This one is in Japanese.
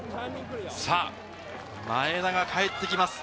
前田が帰ってきます。